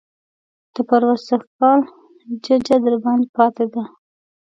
د پروسږ کال ججه درباندې پاتې ده.